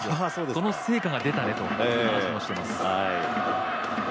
その成果が出たねという話をしています。